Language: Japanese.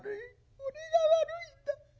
俺が悪いんだ。